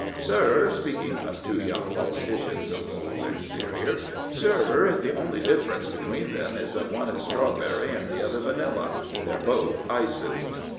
'' Sir," speaking of two young politicians of cold exterior — Sir, the only difference between them is that one is strawberry and the other vanilla — they're both ices."